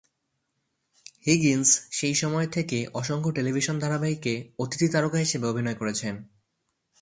Higgins সেই সময় থেকে অসংখ্য টেলিভিশন ধারাবাহিকে অতিথি তারকা হিসেবে অভিনয় করেছেন।